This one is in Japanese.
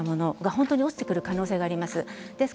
本当に落ちててくる可能性があります。